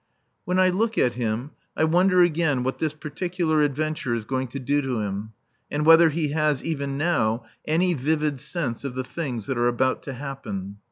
When I look at him I wonder again what this particular adventure is going to do to him, and whether he has, even now, any vivid sense of the things that are about to happen.